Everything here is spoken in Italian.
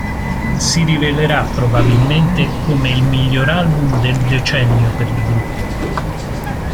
Si rivelerà probabilmente come il miglior album del decennio per il gruppo.